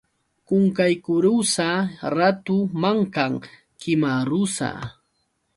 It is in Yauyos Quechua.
Qunqaykurusa ratu mankan kimarusa.